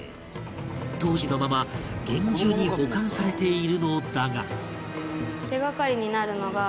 当時のまま厳重に保管されているのだが